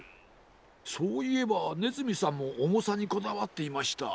そういえばねずみさんもおもさにこだわっていました。